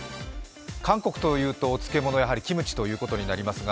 韓国というと漬物はやはりキムチということになりますが、